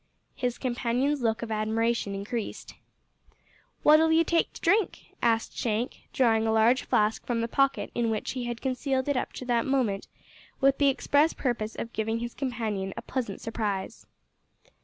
His companion's look of admiration increased. "What'll you take to drink?" asked Shank, drawing a large flask from the pocket in which he had concealed it up to that moment with the express purpose of giving his companion a pleasant surprise.